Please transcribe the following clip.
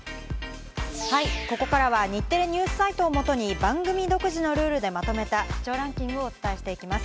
ここからは日テレニュースサイトをもとに番組独自のルールでまとめた視聴ランキングをお伝えしていきます。